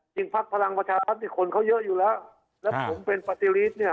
จริงพักพลังประชาธรรมที่คนเขาเยอะอยู่แล้วแล้วผมเป็นปฏิริตเนี้ย